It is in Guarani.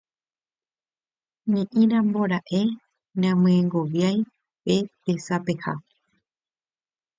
Ne'írambora'e namyengoviái pe tesapeha.